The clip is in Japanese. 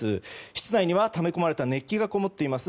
室内にはため込まれた熱気がこもっています。